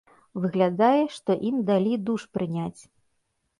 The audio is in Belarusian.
Выглядае, што ім далі душ прыняць.